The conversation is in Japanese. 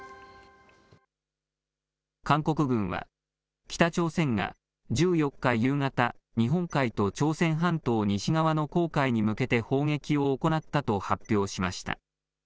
韓国軍は、北朝鮮が１４日夕方、日本海と朝鮮半島西側の黄海に向けて砲撃を行ったと発表しました。